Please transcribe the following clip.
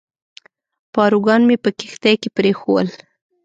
پاروګان مې په کښتۍ کې پرېښوول.